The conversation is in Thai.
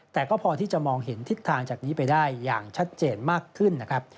แต่ก็พอที่จะมองเห็นทิศทางจากนี้ไปได้อย่างชัดเจนมากขึ้นนะครับ